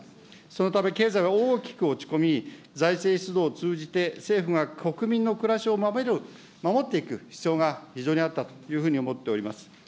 そのため経済は大きく落ち込み、財政出動を通じて、政府が国民の暮らしを守っていく必要が非常にあったというふうに思っております。